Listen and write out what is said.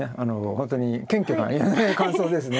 本当に謙虚な感想ですね。